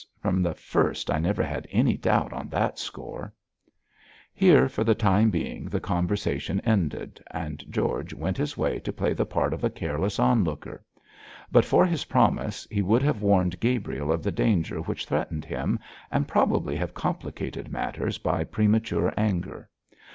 From the first I never had any doubts on that score.' Here for the time being the conversation ended, and George went his way to play the part of a careless onlooker. But for his promise, he would have warned Gabriel of the danger which threatened him, and probably have complicated matters by premature anger.